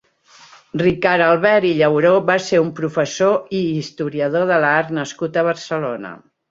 Ricard Albert i Llauró va ser un professor i historiador de l'art nascut a Barcelona.